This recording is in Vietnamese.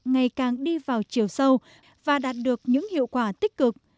ngày càng đi vào chiều sâu và đạt được những hiệu quả tích cực